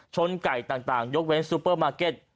ไก่ต่างยกเว้นซูเปอร์มาร์เก็ต